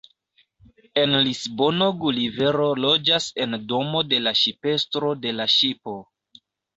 En Lisbono Gulivero loĝas en domo de la ŝipestro de la ŝipo.